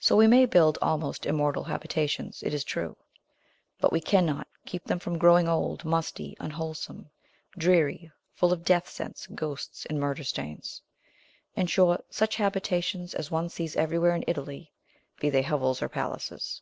So we may build almost immortal habitations, it is true; but we cannot keep them from growing old, musty, unwholesome, dreary, full of death scents, ghosts, and murder stains; in short, such habitations as one sees everywhere in Italy, be they hovels or palaces.